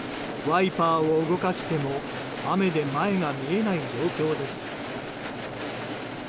ワイパーを動かしても雨で前が見えない状況です。